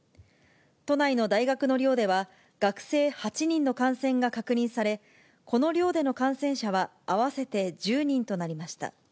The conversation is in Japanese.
都内の大学の寮では、学生８人の感染が確認され、この寮での感染者は合わせて１０人となりました。